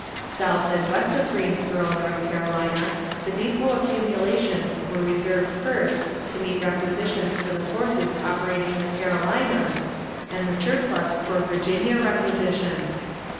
South and west of Greensboro, North Carolina, the depot accumulations were reserved first to meet requisitions for the forces operating in the Carolinas, and the surplus for Virginia requisitions.